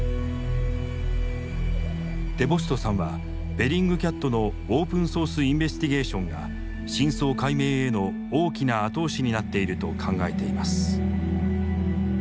デ・ボストさんはベリングキャットのオープンソース・インベスティゲーションが真相解明への大きな後押しになっていると考えています。